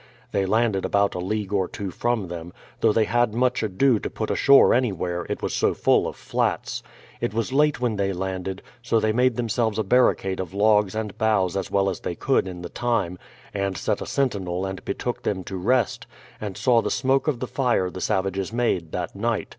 They landed about a league or two from them; though they had much ado to put ashore anywhere, it was so full of flats. It was late when they landed, so they 70 BRADFORD'S HISTORY OF made themselves a barricade of logs and boughs as well as they could in the time, and set a sentinel and betook them to rest, and saw the smoke of the fire the savages made that night.